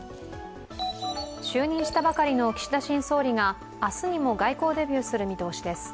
就任したばかりの岸田新総理が明日にも外交デビューする見通しです。